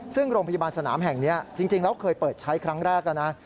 ซึ่งโรงพยาบาลสนามแห่งนี้จริงแล้วเคยเปิดใช้ครั้งแรกแล้วนะ